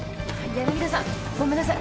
柳田さんごめんなさい。